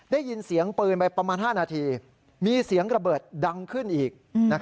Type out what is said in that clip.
ได้ยินเสียงปืนไปประมาณ๕นาทีมีเสียงระเบิดดังขึ้นอีก